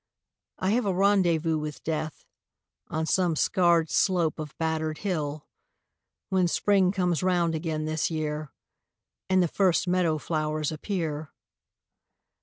I have a rendezvous with Death On some scarred slope of battered hill, When Spring comes round again this year And the first meadow flowers appear.